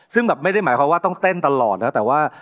ซึ่งแบบไม่ได้หมายความว่าต้องเต้นตลอดนะแต่ว่า